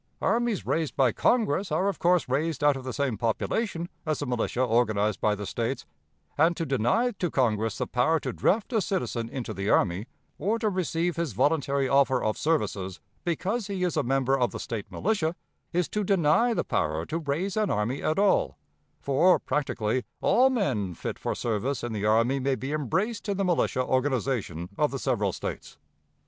Armies raised by Congress are of course raised out of the same population as the militia organized by the States, and to deny to Congress the power to draft a citizen into the army, or to receive his voluntary offer of services, because he is a member of the State militia, is to deny the power to raise an army at all; for, practically, all men fit for service in the army may be embraced in the militia organization of the several States.